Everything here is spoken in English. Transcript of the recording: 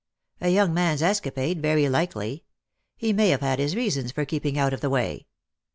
A young man's escapade, very likely. He may have had his reasons for keeping out of the way."